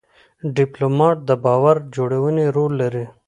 ډيپلومات د باور جوړونې رول لري.